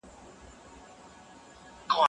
شخصیت د فردي تجربو او ارزښتونو باندې تکیه لري.